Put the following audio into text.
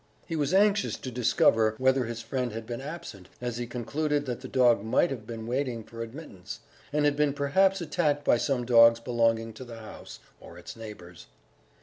He was anxious to discover whether his friend had been absent, as he concluded that the dog might have been waiting for admittance, and had been perhaps attacked by some dogs belonging to the house, or its neighbours'.